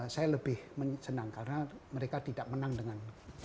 saya lebih senang karena mereka tidak menang dengan